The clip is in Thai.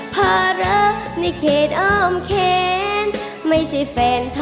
ภาระในเขตอ้อมแขน